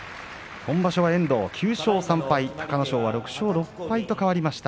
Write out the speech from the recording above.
遠藤９勝３敗隆の勝は６勝６敗と変わりました。